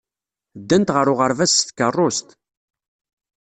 Ddant ɣer uɣerbaz s tkeṛṛust.